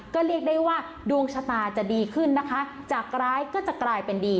ก็เรียกได้ว่าดวงชะตาจะดีขึ้นนะคะจากร้ายก็จะกลายเป็นดี